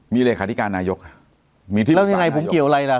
มีเลขาธิการนายกมีที่แล้วยังไงผมเกี่ยวอะไรล่ะ